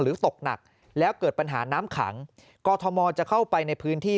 ตกหนักแล้วเกิดปัญหาน้ำขังกรทมจะเข้าไปในพื้นที่